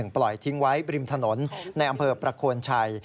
ปล่อยทิ้งไว้บริมถนนในอำเภอประโคนชัย